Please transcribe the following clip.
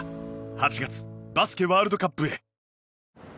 ８月バスケワールドカップへ。